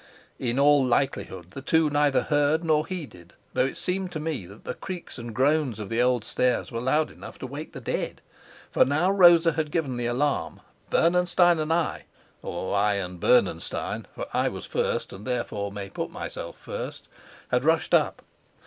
In all likelihood the two neither heard nor heeded, though it seemed to me that the creaks and groans of the old stairs were loud enough to wake the dead. For now Rosa had given the alarm, Bernenstein and I or I and Bernenstein (for I was first, and, therefore, may put myself first) had rushed up.